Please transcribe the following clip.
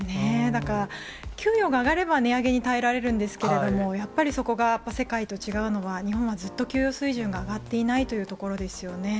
だから、給与が上がれば値上げに耐えられるんですけれども、やっぱりそこが、世界と違うのは、日本はずっと給与水準が上がっていないというところですよね。